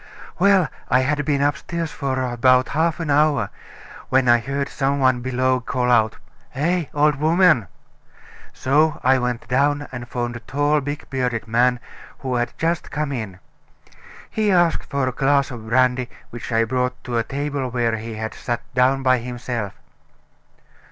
"Well, I had been upstairs about half an hour, when I heard some one below call out: 'Eh! old woman!' So I went down, and found a tall, big bearded man, who had just come in. He asked for a glass of brandy, which I brought to a table where he had sat down by himself."